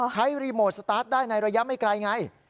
รีโมทสตาร์ทได้ในระยะไม่ไกลไง